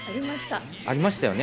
ありましたよね？